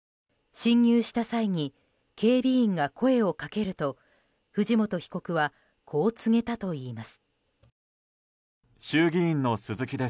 侵入した際に警備員が声をかけると藤本被告はこう告げたといいます。